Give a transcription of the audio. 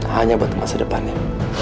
hanya buat masa depannya